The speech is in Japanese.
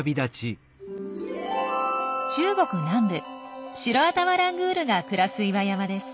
中国南部シロアタマラングールが暮らす岩山です。